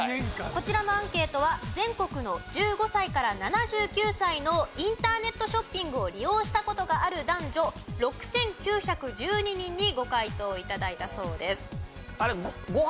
こちらのアンケートは全国の１５歳から７９歳のインターネットショッピングを利用した事がある男女６９１２人にご回答頂いたそうです。